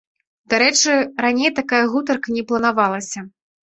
Дарэчы, раней такая гутарка не планавалася.